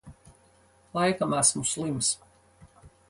Laikam esmu slims.